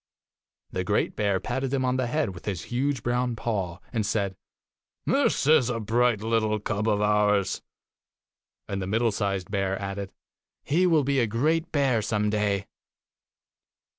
The great bear patted him on the head with his huge brown paw, and said, 'This is a bright little cub of ours.' And the middle sized bear added, 'He will be a great bear some day.